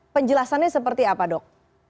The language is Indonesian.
penjelasannya seperti apa dok